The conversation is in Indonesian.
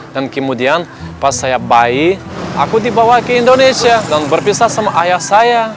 dan kemudian pas saya bayi aku dibawa ke indonesia dan berpisah sama ayah saya